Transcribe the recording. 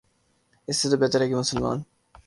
اس سے تو بہتر ہے کہ مسلمان